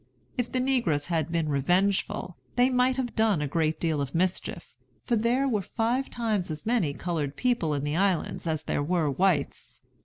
If the negroes had been revengeful, they might have done a great deal of mischief; for there were five times as many colored people in the islands as there were whites.